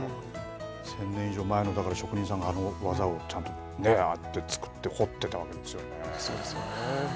１０００年以上前の職人さんがあの技をねああやって作って彫っていたわけですよね。